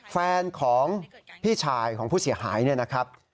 แฟนของพี่ชายของผู้เสียหายเนี่ยนะครับ